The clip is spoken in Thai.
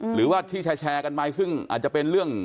หรือว่าที่แชร์กันไหมซึ่งอาจจะเป็น